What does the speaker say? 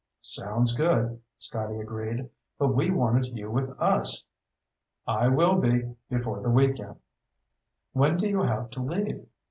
"Sounds good," Scotty agreed. "But we wanted you with us." "I will be. Before the weekend." "When do you have to leave?"